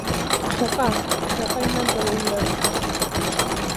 Ԥхьаҟа, ԥхьаҟа инагала уиаша!